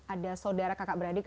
ada saudara kakak beradik